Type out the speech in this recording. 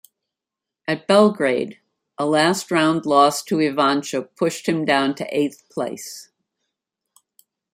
At Belgrade, a last round loss to Ivanchuk pushed him down to eighth place.